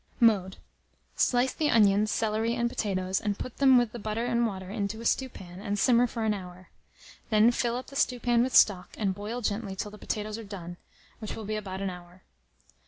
Mode. Slice the onions, celery, and potatoes, and put them with the butter and water into a stewpan, and simmer for an hour. Then fill up the stewpan with stock, and boil gently till the potatoes are done, which will be in about an hour.